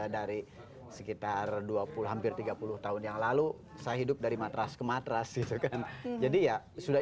dari sekitar dua puluh hampir tiga puluh tahun yang lalu saya hidup dari matras ke matras gitu kan jadi ya sudah